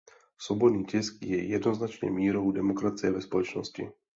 Svobodný tisk je jednoznačně mírou demokracie ve společnosti.